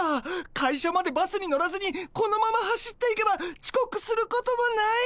会社までバスに乗らずにこのまま走っていけばちこくすることもない！